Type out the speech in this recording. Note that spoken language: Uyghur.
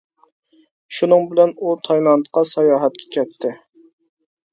شۇنىڭ بىلەن ئۇ تايلاندقا ساياھەتكە كەتتى.